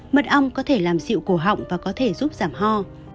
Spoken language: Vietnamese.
mật ong có thể làm dịu cổ họng và có thể giúp giảm ho